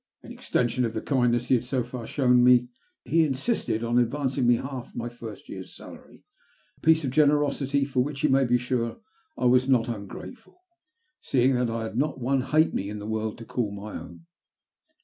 In extension of the kindness he had so far shown me, he insisted on advancing me half my first year's salary — a piece of generosity for which you may be sure I was not un grateful, seeing that I had not a halfpenny in the world to call my own.